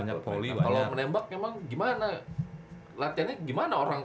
kalau menembak emang gimana latihannya gimana orang